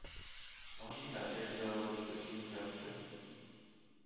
Tony Laterza was the team captain.